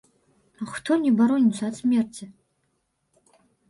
А хто не бароніцца ад смерці?!